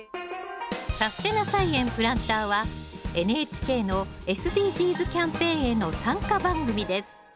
「さすてな菜園プランター」はＮＨＫのＳＤＧｓキャンペーンへの参加番組です。